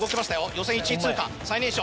予選１位通過最年少。